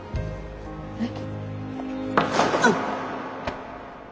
えっ？